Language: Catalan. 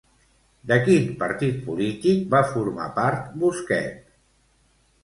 De quin partit polític va formar part Busquet?